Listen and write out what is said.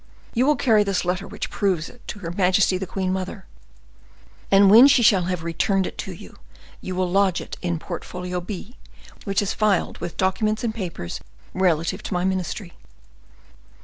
You will carry this letter, which proves it, to her majesty the queen mother, and when she shall have returned it to you, you will lodge it in portfolio B., which is filed with documents and papers relative to my ministry."